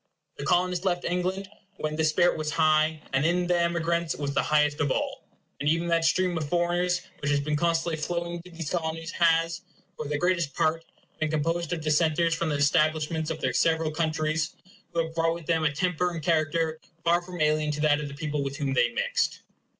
The Colonists left England when this spirit was high, and in the emigrants was the highest of all; and even that stream of foreigners which has been constantly flowing into these Colonies has, for the greatest part, been composed of dissenters from the establishments of their several countries, who have brought with them a temper and character far from alien to that of the people with whom they mixed.